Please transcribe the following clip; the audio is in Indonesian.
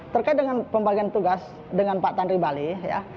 terkait dengan pembagian tugas dengan pak tanri bali ya